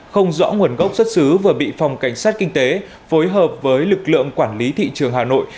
không rõ nguồn gốc xuất xứ vừa bị phòng cảnh sát kinh tế phối hợp với lực lượng quản lý thị trường hà nội